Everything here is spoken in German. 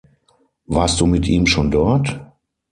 Warst du mit ihm schon dort?